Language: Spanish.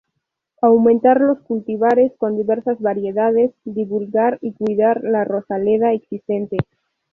Aumentar los cultivares con diversas variedades, divulgar y cuidar la Rosaleda existente.